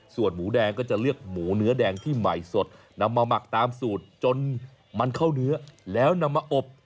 ส่วนหมูแดงก็จะเลือกหมูเนื้อแดงที่ใหม่สดนำมาหมักตามสูตรจนมันเข้าเนื้อแล้วนำมาอบ